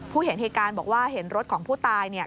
ผู้เห็นเหตุการณ์บอกว่าเห็นรถของผู้ตาย